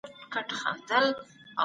د ميني اوردی ياره